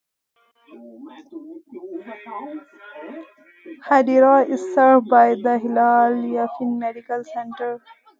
Hadera is served by the Hillel Yaffe Medical Center.